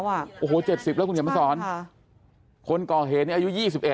อายุ๒๑